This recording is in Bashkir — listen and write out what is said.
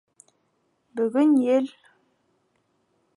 Бәгөн ел